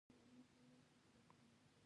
د سیند له ژۍ سره ژور حوضونه ول، چې ډېر ژور وو.